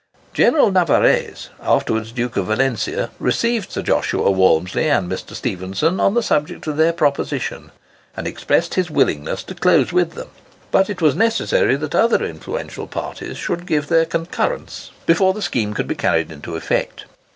General Narvaez, afterwards Duke of Valencia, received Sir Joshua Walmsley and Mr. Stephenson on the subject of their proposition, and expressed his willingness to close with them; but it was necessary that other influential parties should give their concurrence before the scheme could be carried into effect.